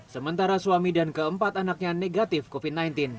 sementara suami dan keempat anaknya negatif covid sembilan belas